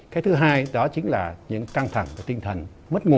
cái thứ hai đó chính là những căng thẳng và tinh thần mất ngủ